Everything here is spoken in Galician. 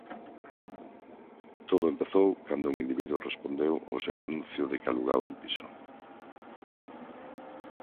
Todo empezou cando un individuo respondeu ao seu anuncio de que alugaba un piso.